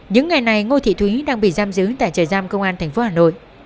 những ngày này ngô thị thúy đang bị giam giữ tại trời giam công an thành phố hà nội